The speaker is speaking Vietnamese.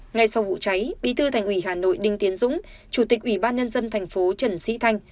ngay sau vụ cháy bí thư thành ủy hà nội đinh tiến dũng chủ tịch ủy ban nhân dân thành phố trần sĩ thanh